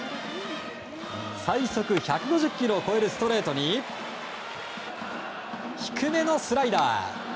最速１５０キロを超えるストレートに低めのスライダー。